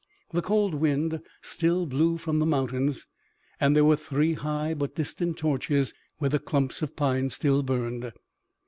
The cold wind still blew from the mountains, and there were three high but distant torches, where the clumps of pines still burned.